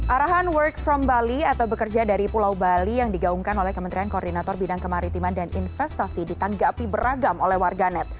arahan work from bali atau bekerja dari pulau bali yang digaungkan oleh kementerian koordinator bidang kemaritiman dan investasi ditanggapi beragam oleh warganet